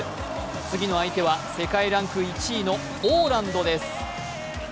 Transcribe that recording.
次の相手は世界ランク１位のポーランドです。